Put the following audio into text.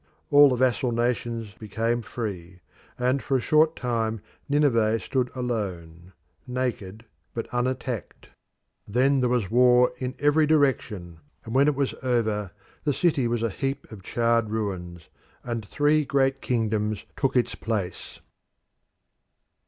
All the vassal nations became free, and for a short time Nineveh stood alone, naked but unattacked. Then there was war in every direction, and when it was over the city was a heap of charred ruins, and three great kingdoms took its place.